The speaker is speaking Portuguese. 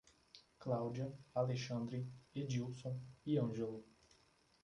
Cláudia, Alexandre, Edílson e Ângelo